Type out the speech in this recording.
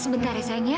sebentar ya sayang ya